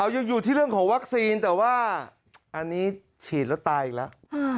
ยังอยู่ที่เรื่องของวัคซีนแต่ว่าอันนี้ฉีดแล้วตายอีกแล้ว